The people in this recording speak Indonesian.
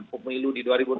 pemilu di dua ribu dua puluh